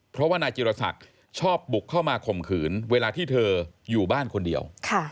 เพราะว่านายจิรศักดิ์ชอบบุกเข้ามาข่มขืนเวลาที่เธออยู่บ้านคนเดียว